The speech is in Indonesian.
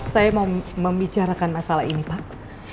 saya mau membicarakan masalah ini pak